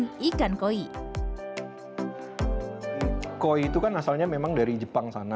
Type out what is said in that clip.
tan tan lahir ketika pacar berusia dua belas tahun meninang dan sedang berubah muda